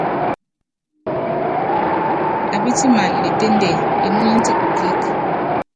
Apítiman ne ténde emúny ti kukíík.